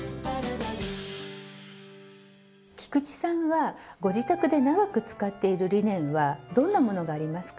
菊池さんはご自宅で長く使っているリネンはどんなものがありますか？